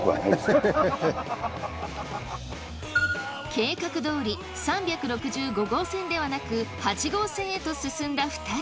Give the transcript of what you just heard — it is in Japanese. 計画どおり３６５号線ではなく８号線へと進んだ２人。